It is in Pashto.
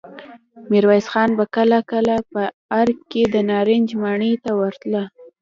ميرويس خان به کله کله په ارګ کې د نارنج ماڼۍ ته ورته.